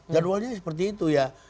jadwalnya seperti itu ya